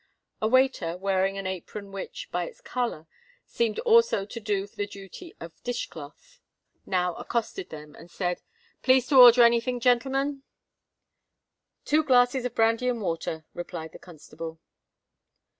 A waiter, wearing an apron which, by its colour, seemed also to do the duty of dish cloth, now accosted them, and said, "Please to order anythink, gen'lemen?" "Two glasses of brandy and water," replied the constable.